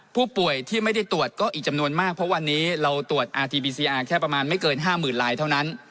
ผู้ป่วยที่ไม่ได้ตรวจก็อีกจำนวนมากเพราะวันนี้เราตรวจอาทีบีซีอาร์แค่ประมาณไม่เกิน๕๐๐๐ลายเท่านั้น